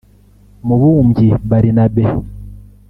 Mubumbyi Barnabe